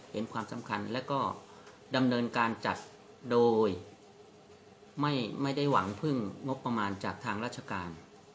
เห็นความสำคัญและก็ดำเนินการจัดโดยไม่ได้หวังพึ่งงบประมาณจากทางราชการ